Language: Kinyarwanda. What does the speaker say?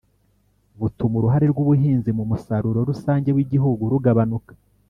butuma uruhare rw'ubuhinzi mu musaruro rusange w'igihugu rugabanuka.